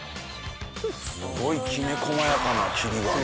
すごいきめ細やかな霧がね。